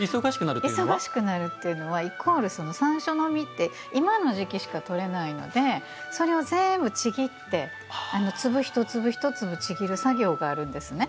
忙しくなるっていうのはイコール山椒の実って今の時期しかとれないのでそれを全部ちぎって粒、一粒一粒ちぎる作業があるんですね。